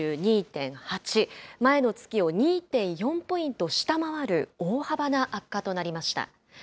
前の月を２．４ポイント下回る大幅な悪化となりました。